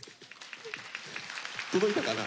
届いたかな。